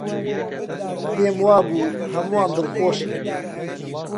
پێم وابوو هەمووان دڵخۆشن.